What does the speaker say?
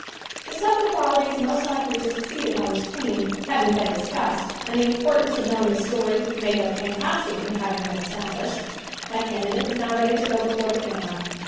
THE SEVERAL qualities most likely to succeed upon the screen having been discussed, and the importance of knowing the story, make up and costuming having been established, my candi date is now ready to go before the camera.